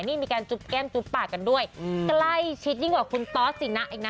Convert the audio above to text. นี่มีการจุ๊บแก้มจุ๊บปากกันด้วยใกล้ชิดยิ่งกว่าคุณตอสสินะอีกนะ